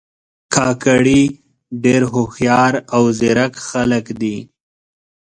کاکړي ډېر هوښیار او زیرک خلک دي.